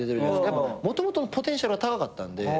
やっぱもともとのポテンシャルは高かったんで。